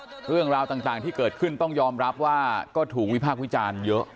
คุณผู้ชมครับเรื่องราวต่างที่เกิดขึ้นต้องยอมรับว่าก็ถูกวิภาควิจารณ์เยอะ